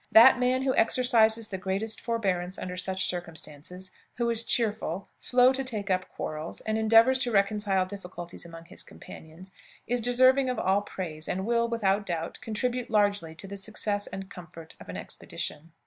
That man who exercises the greatest forbearance under such circumstances, who is cheerful, slow to take up quarrels, and endeavors to reconcile difficulties among his companions, is deserving of all praise, and will, without doubt, contribute largely to the success and comfort of an expedition.